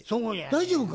大丈夫か？